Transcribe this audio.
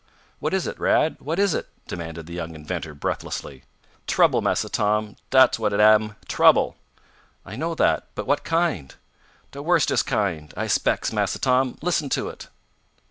"What is it, Rad? What is it?" demanded the young inventor breathlessly. "Trouble, Massa Tom! Dat's what it am! Trouble!" "I know that but what kind?" "De worstest kind, I 'spects, Massa Tom. Listen to it!"